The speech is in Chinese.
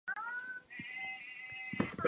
萼凹入很深。